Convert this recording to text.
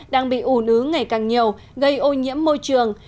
đang bị ủ nứ ngày càng nhiều gây ô nhiễm môi trường